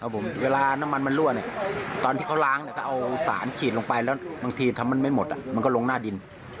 บางทีถ้ามันไม่หมดมันก็ลงหน้าดิน